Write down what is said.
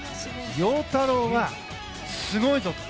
陽太郎はすごいぞと。